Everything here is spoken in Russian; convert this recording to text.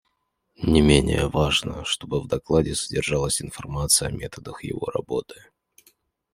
Не менее важно, чтобы в докладе содержалась информация о методах его работы.